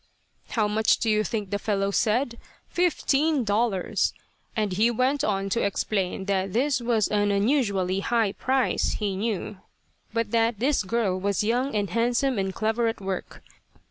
How much do you think the fellow said? Fifteen dollars! And he went on to explain that this was an unusually high price, he knew, but that this girl was young and handsome and clever at work.